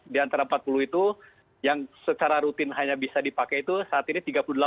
di antara empat puluh itu yang secara rutin hanya bisa dipakai itu saat ini tiga puluh delapan